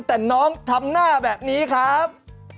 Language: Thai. แต่น้องทำหน้าแบบนี้ครับ